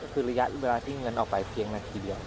คือระยะเวลาที่เงินออกไปเพียงนาทีเดียว